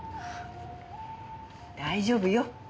大丈夫よ。